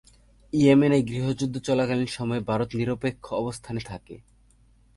ইয়েমেনে গৃহযুদ্ধ চলাকালীন সময়ে ভারত নিরপেক্ষ অবস্থানে থাকে।